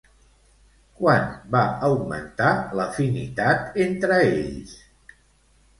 Quan va augmentar l'afinitat entre ells?